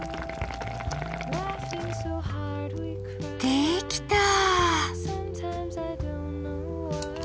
できた！